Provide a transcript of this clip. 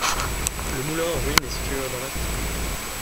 Le moulin, en ruines, est situé au nord-est.